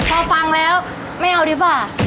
พอฟังแล้วไม่เอาดีกว่า